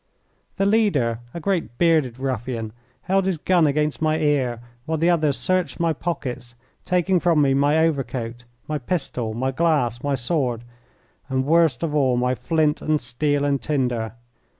The leader, a great, bearded ruffian, held his gun against my ear while the others searched my pockets, taking from me my overcoat, my pistol, my glass, my sword, and, worst of all, my flint and steel and tinder.